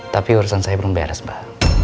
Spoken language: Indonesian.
tapi urusan saya belum beres mbak